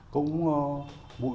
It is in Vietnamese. cũng bụi bụi